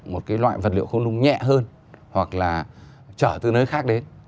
một cái loại vật liệu không nung nhẹ hơn hoặc là trở từ nơi khác đến